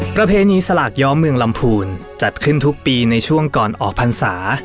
ประเพณีสลากย้อมเมืองลำพูนจัดขึ้นทุกปีในช่วงก่อนออกพรรษา